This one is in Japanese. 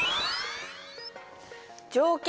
条件